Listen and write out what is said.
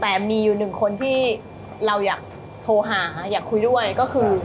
แต่มีอยู่หนึ่งคนที่เราอยากโทรหาอยากคุยด้วยก็คือ